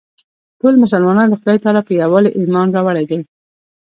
ټولو مسلمانانو د خدای تعلی په یووالي ایمان راوړی دی.